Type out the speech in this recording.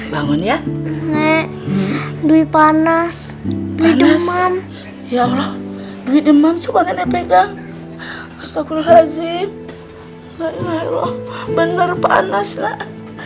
laila allah bener panas nak